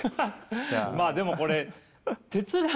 まあでもこれ哲学。